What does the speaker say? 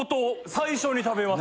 最初に食べます。